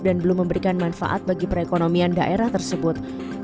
dan belum memberikan manfaat bagi perekonomian daerah tersebut